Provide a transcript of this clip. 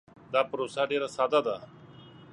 دا پروسه ډیر ساده ده.